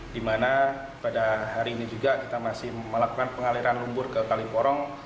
dimana pada hari ini juga kita masih melakukan pengaliran lumpur ke kaliporong